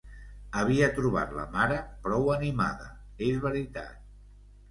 Havia trobat la mare prou animada, és veritat.